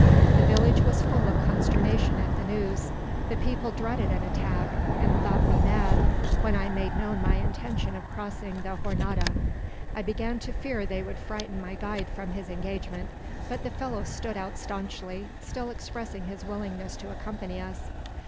The village was full of consternation at the news. The people dreaded an attack, and thought me mad, when I made known my intention of crossing the Jornada. I began to fear they would frighten my guide from his engagement, but the fellow stood out staunchly, still expressing his willingness to accompany us.